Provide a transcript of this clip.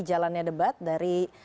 jalannya debat dari